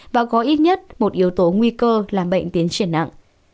và có ít nhất một yếu tố nguy cơ làm bệnh tiến triển nặng